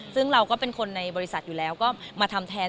ซึ่งเราก็เป็นคนในบริษัทอยู่แล้วก็มาทำแทน